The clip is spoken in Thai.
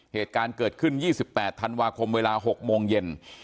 เหตุการณ์เกิดขึ้น๒๘ธันวาคมเวลา๖โมงเย็น